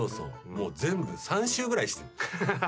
もう全部３周ぐらいしてる。